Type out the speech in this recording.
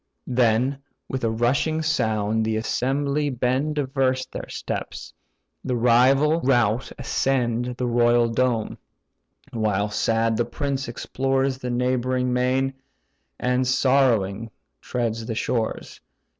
Then, with a rushing sound the assembly bend Diverse their steps: the rival rout ascend The royal dome; while sad the prince explores The neighbouring main, and sorrowing treads the shores.